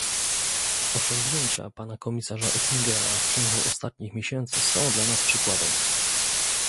Osiągnięcia pana komisarza Oettingera w ciągu ostatnich miesięcy są dla nas przykładem